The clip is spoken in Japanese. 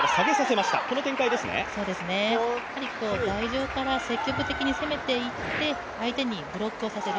台上から積極的に攻めていって相手にブロックをさせる。